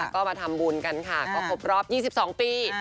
ก็มาทำบุญกันค่ะก็ครบรอบ๒๒ปี